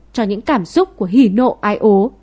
cho những cảm xúc của hỉ nộ ai ố